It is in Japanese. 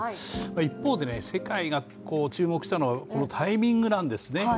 一方で、世界が注目したのはこのタイミングなんですね。